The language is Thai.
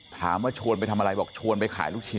ถามว่าชวนไปทำอะไรบอกชวนไปขายลูกชิ้น